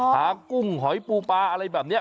หากุ้งหอยปูปลาอะไรแบบนี้